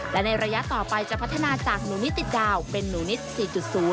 และในระยะต่อไปจะพัฒนาจากหนูนิติดาวเป็นหนูนิด๔๐